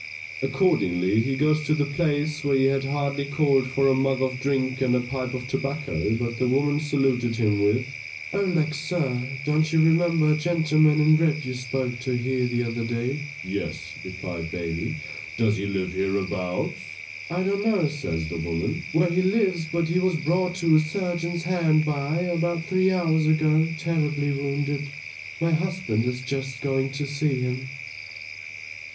Accordingly he goes to the place, where he had hardly called for a mug of drink and a pipe of tobacco, but the woman saluted him with, O lack, sir! Don't you remember a gentleman in red you spoke to here the other day? Yes, replied Bailey, _does he live hereabouts? I don't know, says the woman, where he lives, but he was brought to a surgeon's hard by, about three hours ago, terribly wounded. My husband is just going to see him.